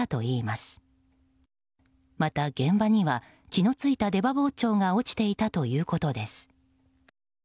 また、現場には血の付いた出刃包丁が落ちていたということです。